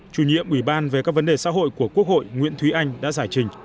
chủ nhiệm ủy ban về các vấn đề xã hội của quốc hội nguyễn thúy anh đã giải trình